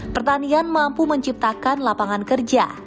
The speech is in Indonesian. pertanian mampu menciptakan lapangan kerja